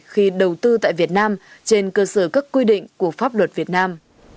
khi đầu tư tại việt nam trên cơ sở các quy định của pháp luật việt nam